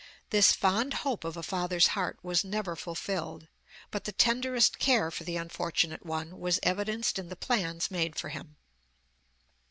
This fond hope of a father's heart was never fulfilled, but the tenderest care for the unfortunate one was evi denced in the plans made for him.